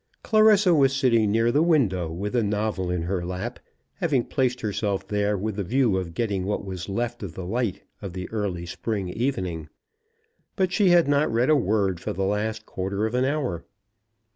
Clarissa was sitting near the window, with a novel in her lap, having placed herself there with the view of getting what was left of the light of the early spring evening; but she had not read a word for the last quarter of an hour.